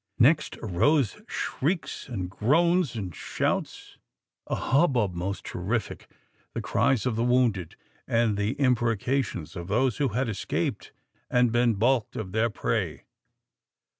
Next arose shrieks, and groans, and shouts, a hubbub most terrific, the cries of the wounded, and the imprecations of those who had escaped and been baulked of their prey.